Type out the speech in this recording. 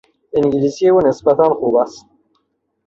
انگلیسی او نسبتا خوب است.